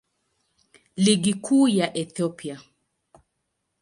Ligi Kuu ya Ethiopia.